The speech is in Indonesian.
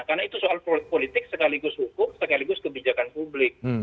karena itu soal politik sekaligus hukum sekaligus kebijakan publik